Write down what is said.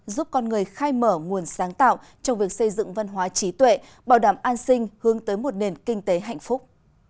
giúp con người khai mở nguồn sáng tạo trong việc xây dựng văn hóa trí tuệ bảo đảm an sinh hướng tới một nền kinh tế hạnh phúc